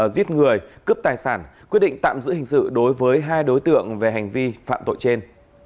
giết người cướp tài sản quyết định tạm giữ hình sự đối với hai đối tượng về hành vi phạm tội trên